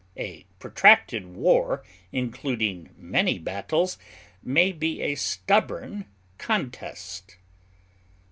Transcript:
A protracted war, including many battles, may be a stubborn contest.